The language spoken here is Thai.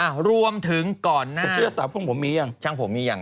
โหรวมถึงก่อนหน้าเสื้อสาวช่างผมมียัง